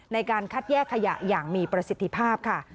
ในการคัดแยกขยะอย่างมีประสิทธิภาพค่ะ